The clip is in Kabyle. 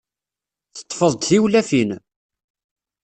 Teṭṭfeḍ-d tiwlafin?